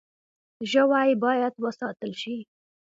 ژوی باید وساتل شي.